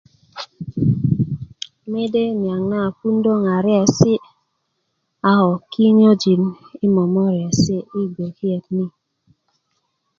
mede niyaŋ na a puundö ŋariyesi' a ko kinyojin yi momoresi' yi gbokiyot yu